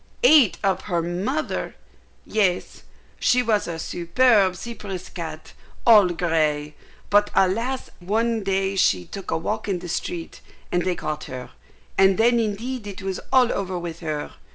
"Ate up her mother!" "Yes. She was a superb Cyprus cat, all grey; but, alas I one day she took a walk in the street, and they caught her, and then indeed it was all over with her.